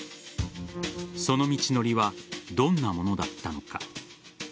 その道のりはどんなものだったのか。